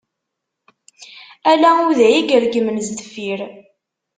Ala uday i yeregmen s deffir.